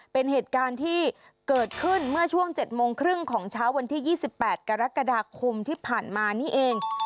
เป็นเหตุการณ์ที่เกิดขึ้นเมื่อช่วง๗โมงครึ่งของเช้าวันที่๒๘กรกฎาคมที่ผ่านมานี่เอง